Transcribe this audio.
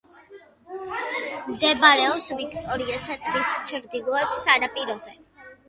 მდებარეობს ვიქტორიას ტბის ჩრდილოეთ სანაპიროზე.